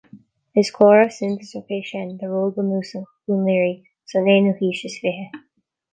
Is comhartha suntasach é sin de ról bunúsach Dhún Laoghaire san aonú haois is fiche